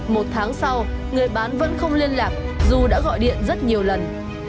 một tháng sau người bán vẫn không liên lạc dù đã gọi điện rất nhiều lần